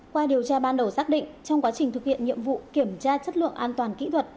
qua điều tra ban đầu xác định trong quá trình thực hiện nhiệm vụ kiểm tra chất lượng an toàn kỹ thuật